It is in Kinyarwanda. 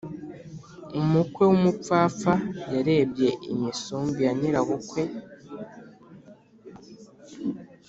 Umukwe w’umupfapfa yarebye imisumbi ya nyirabukwe.